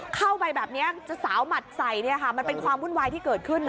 เข้าไปแบบนี้จะสาวหมัดใส่มันเป็นความวุ่นวายที่เกิดขึ้นนะ